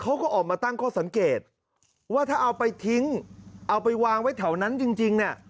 เขาก็ออกมาตั้งข้อสังเกตว่าถ้าเอาไปทิ้งเอาไปวางไว้แถวนั้นจริงเนี่ย